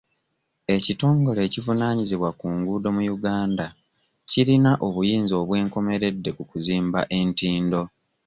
Ekitongole ekivunaanyizibwa ku nguudo mu Uganda kirina obuyinza obwenkomeredde ku kuzimba entindo.